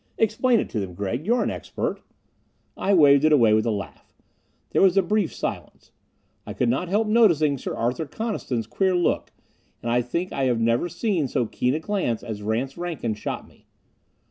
Explain it to them, Gregg you're an expert." I waved it away with a laugh. There was a brief silence. I could not help noticing Sir Arthur Coniston's queer look, and I think I have never seen so keen a glance as Rance Rankin shot at me.